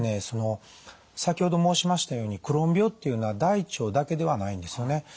その先ほど申しましたようにクローン病っていうのは大腸だけではないんですよね。